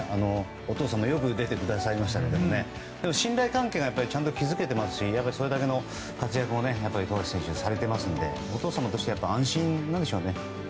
お父さんもよく出てくださいましたけど信頼関係がちゃんと築けているしそれだけの活躍を富樫選手はされていますのでお父さんも安心なんでしょうね。